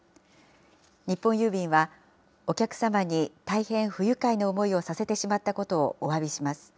日本郵便は、お客様に大変不愉快な思いをさせてしまったことをおわびします。